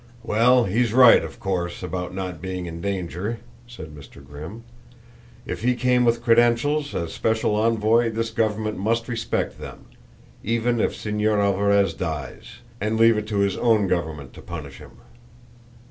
"Well, he's right, of course, about not being in danger," said Mr. Grimm. "If he came with credentials as special envoy this government must respect them, even if Señor Alvarez dies, and leave it to his own government to punish him.